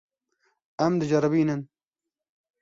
Em diceribînin.